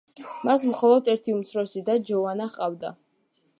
მას მხოლოდ ერთი უმცროსი და, ჯოვანა ჰყავდა.